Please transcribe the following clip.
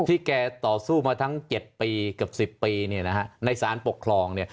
แกต่อสู้มาทั้ง๗ปีเกือบ๑๐ปีในสารปกครอง